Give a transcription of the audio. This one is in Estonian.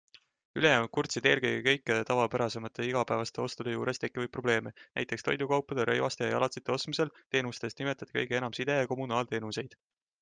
Ülejäänud kurtsid eelkõige kõike tavapärasemate igapäevaste ostude juures tekkivaid probleeme, näiteks toidukaupade, rõivaste ja jalatsite ostmisel, teenustest nimetati kõige enam side- ja kommunaalteenuseid.